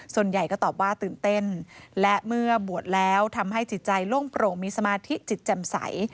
ส่วนใหญ่ก็ตอบว่าตื่นเต้นและเมื่อบวชแล้วทำให้จิตใจโล่งโปร่งมีสมาธิจิตแจ่มใส